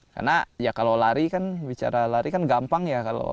karena kalau bicara lari kan gampang ya